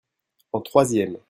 en troisième.